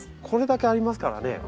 これだけありますからね。